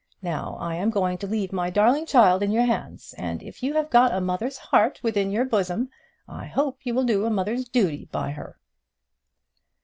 Now I am going to leave my darling child in your hands, and if you have got a mother's heart within your bosom, I hope you will do a mother's duty by her."